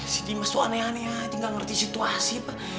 si dimas tuh aneh aneh aja gak ngerti situasi apa